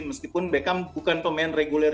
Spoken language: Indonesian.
meskipun beckham bukan pemain reguler